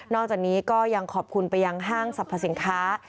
จากนี้ก็ยังขอบคุณไปยังห้างสรรพสินค้า